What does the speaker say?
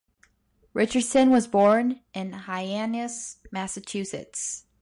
Richardson was born in Hyannis, Massachusetts.